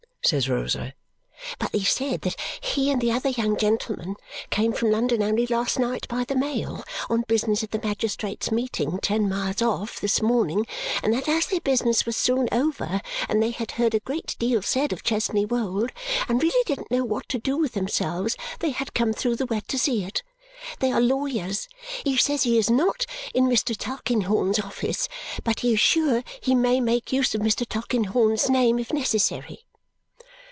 says Rosa. "But he said that he and the other young gentleman came from London only last night by the mail, on business at the magistrates' meeting, ten miles off, this morning, and that as their business was soon over, and they had heard a great deal said of Chesney Wold, and really didn't know what to do with themselves, they had come through the wet to see it. They are lawyers. He says he is not in Mr. Tulkinghorn's office, but he is sure he may make use of Mr. Tulkinghorn's name if necessary."